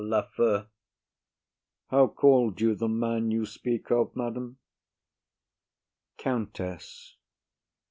LAFEW. How called you the man you speak of, madam? COUNTESS.